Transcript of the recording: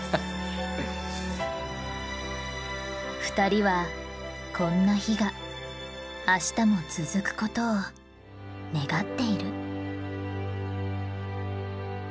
二人はこんな日が明日も続くことを願っている。